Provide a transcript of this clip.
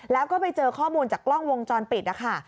แล้วก็ไปเจอข้อมูลจากกล้องวงจรปิดนะคะ